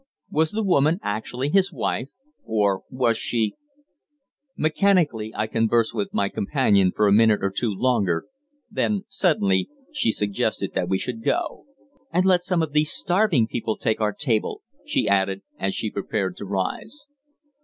Was the woman actually his wife, or was she Mechanically I conversed with my companion for a minute or two longer, then suddenly she suggested that we should go. "And let some of these starving people take our table," she added, as she prepared to rise.